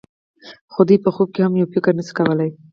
خو دوی په خوب کې هم یو فکر نشي کولای.